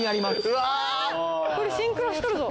わぁこれシンクロしとるぞ。